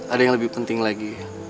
ada yang lebih penting lagi